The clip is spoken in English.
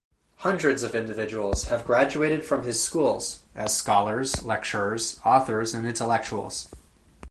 Hundreds of individuals have graduated from his schools as scholars, lecturers, authors and intellectuals.